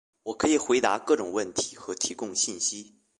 我可以回答各种问题和提供信息。